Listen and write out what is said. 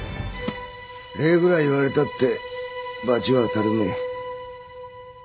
礼ぐらい言われたって罰は当たるめえ。